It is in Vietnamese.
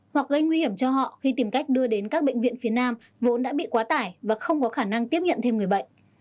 hoặc gây nguy hiểm cho họ khi tìm cách đưa đến các bệnh viện phía nam vốn đã bị quá tải và không có khả năng tiếp nhận thêm người bệnh